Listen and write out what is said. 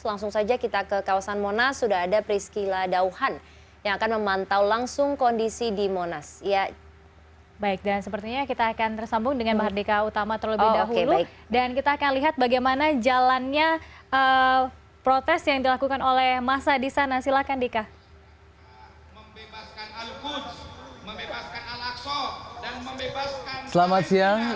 langsung saja kita ke kawasan monas sudah ada priscila dauhan yang akan memantau langsung kondisi di monas